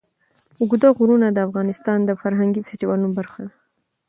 اوږده غرونه د افغانستان د فرهنګي فستیوالونو برخه ده.